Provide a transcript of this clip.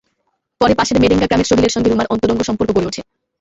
পরে পাশের মেরেঙ্গা গ্রামের সোহেলের সঙ্গে রুমার অন্তরঙ্গ সম্পর্ক গড়ে ওঠে।